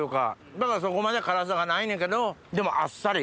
だからそこまで辛さがないねんけどでもあっさり。